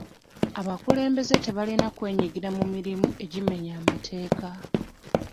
Abakulembeze tebalina kwenyigira mu mirimu egimenya amateeka.